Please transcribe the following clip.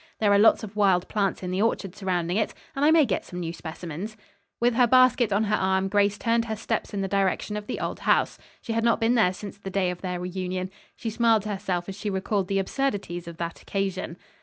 There are lots of wild plants in the orchard surrounding it, and I may get some new specimens." With her basket on her arm, Grace turned her steps in the direction of the old house. She had not been there since the day of their reunion. She smiled to herself as she recalled the absurdities of that occasion.